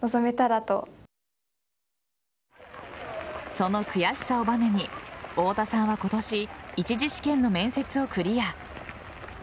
その悔しさをバネに太田さんは今年、一次試験の面接をクリア。